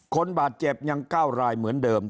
คนบาดเจ็บยัง๙รายเหมือนเดิม